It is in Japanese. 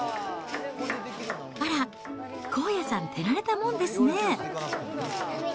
あら、こうやさん、手慣れたもんですね。